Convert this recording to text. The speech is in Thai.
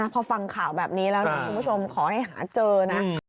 พอฟังข่าวแบบนี้แล้วนะคุณผู้ชมขอให้หาเจอนะ